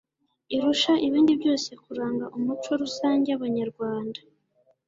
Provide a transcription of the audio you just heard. irusha ibindi byose kuranga umuco rusange w'abanyarwanda